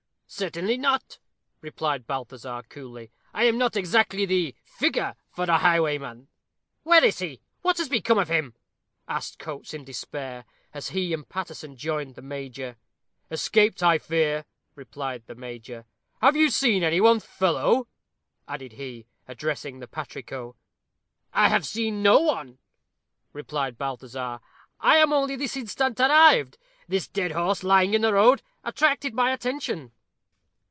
"Certainly not," replied Balthazar, coolly. "I am not exactly the figure for a highwayman." "Where is he? What has become of him?" asked Coates, in despair, as he and Paterson joined the major. "Escaped, I fear," replied the major. "Have you seen any one, fellow?" added he, addressing the patrico. "I have seen no one," replied Balthazar. "I am only this instant arrived. This dead horse lying in the road attracted my attention."